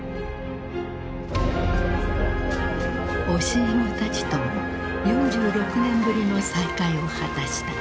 教え子たちとも４６年ぶりの再会を果たした。